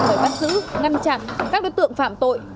để bắt giữ ngăn chặn các đối tượng phạm tội